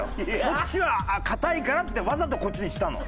そっちは堅いからってわざとこっちにしたの。